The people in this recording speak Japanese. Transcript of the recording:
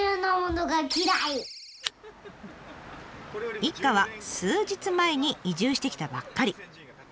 一家は数日前に移住してきたばっかり。